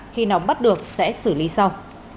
khi nào bắt được sẽ xử lý sau